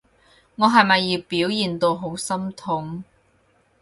我係咪要表現到好心痛？